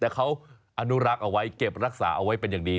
แต่เขาอนุรักษ์เอาไว้เก็บรักษาเอาไว้เป็นอย่างดี